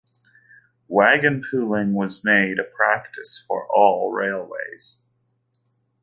Wagon pooling was made a practice for all railways.